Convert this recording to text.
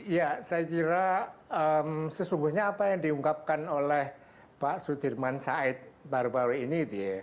ya saya kira sesungguhnya apa yang diungkapkan oleh pak sudirman said baru baru ini